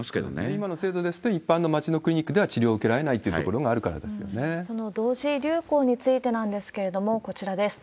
今の制度ですと、一般の街のクリニックでは治療を受けられないっていうところがあその同時流行についてなんですけれども、こちらです。